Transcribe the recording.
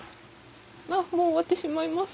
あっもう終わってしまいます。